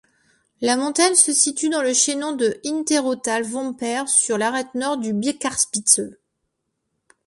La montagne se situe dans le chaînon de Hinterautal-Vomper, sur l'arête nord du Birkkarspitze.